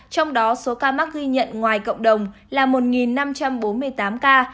trong đó số ca mắc ghi nhận ngoài cộng đồng là một năm trăm bốn mươi tám ca